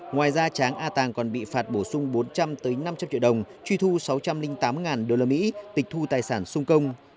ngoài ra tráng a tàng còn bị phạt bổ sung bốn trăm linh năm trăm linh triệu đồng truy thu sáu trăm linh tám usd tịch thu tài sản xung công